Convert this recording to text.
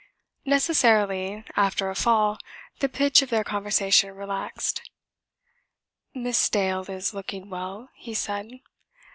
Necessarily, after a fall, the pitch of their conversation relaxed. "Miss Dale is looking well," he said.